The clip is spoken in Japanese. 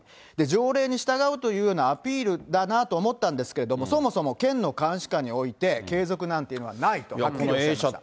条例に従うというようなアピールだなと思ったんですけれども、そもそも県の監視下に置いて、継続なんていうのはないとはっきりおっしゃいました。